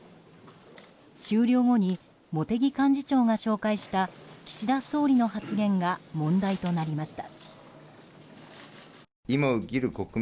終了後に茂木幹事長が紹介した岸田総理の発言が問題となりました。